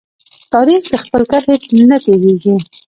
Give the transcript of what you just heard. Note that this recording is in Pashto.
تاریخ د خپل کرښې نه تیریږي.